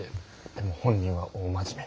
でも本人は大真面目。